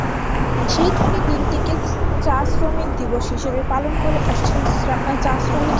সেই থেকে দিনটিকে চা শ্রমিক দিবস হিসেবে পালন করে আসছেন চা শ্রমিকেরা।